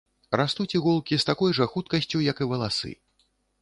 Растуць іголкі з такой жа хуткасцю, як і валасы.